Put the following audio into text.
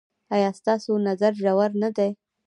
ایا ستاسو نظر ژور نه دی؟